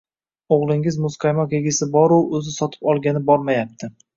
O‘g‘lingiz muzqaymoq yegisi boru, o‘zi sotib olgani bormayapti.